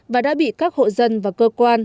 và đã bị các hộ dân và cơ quan